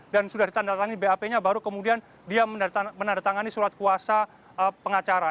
dan sudah ditandatangani bap nya baru kemudian dia menandatangani surat kuasa pengacara